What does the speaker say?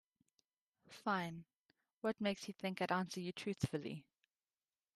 Fine, what makes you think I'd answer you truthfully?